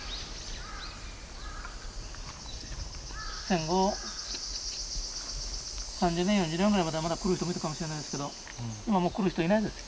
戦後３０年４０年ぐらいまではまだ来る人もいたかもしれないですけど今はもう来る人いないです。